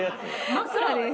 ・枕です。